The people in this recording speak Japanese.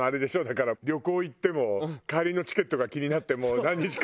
だから旅行行っても帰りのチケットが気になってもう何日間か。